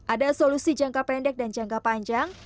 ada solusi jangka pendek dan jangka panjang